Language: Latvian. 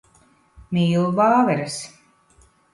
Mīlu vāveres.